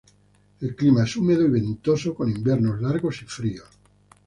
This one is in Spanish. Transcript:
El clima es húmedo y ventoso, con inviernos largos y fríos.